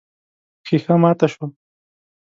ښيښه ماته شوه.